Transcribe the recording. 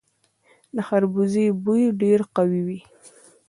د خربوزې بوی ډیر قوي وي.